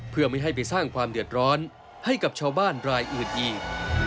เพื่อไม่ให้ไปสร้างความเดือดร้อนให้กับชาวบ้านรายอื่นอีก